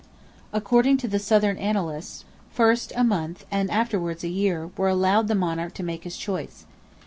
According to the Southern Annalists, first a month, and afterwards a year, were allowed the Monarch to make his choice.